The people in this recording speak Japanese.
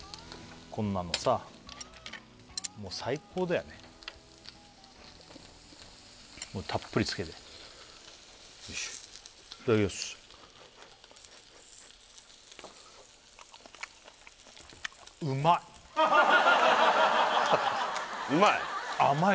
こんなのさもう最高だよねたっぷりつけていただきますうまい？